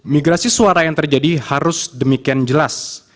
migrasi suara yang terjadi harus demikian jelas